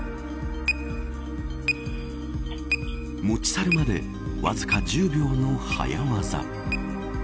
持ち去るまでわずか１０秒の早業。